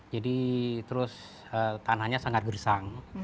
jadi terus tanahnya sangat bersang